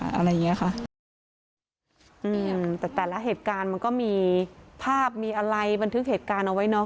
อะไรอย่างเงี้ยค่ะอืมแต่แต่ละเหตุการณ์มันก็มีภาพมีอะไรบันทึกเหตุการณ์เอาไว้เนอะ